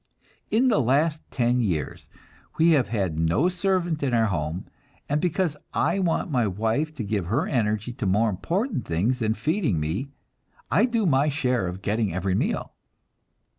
In the last ten years we have had no servant in our home, and because I want my wife to give her energy to more important things than feeding me, I do my share of getting every meal.